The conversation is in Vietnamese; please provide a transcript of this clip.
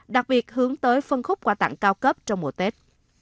đặc biệt hướng tới phân khúc quà tặng cao cấp trong mùa tết